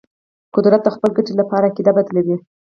قدرت د خپل ګټې لپاره عقیده بدلوي.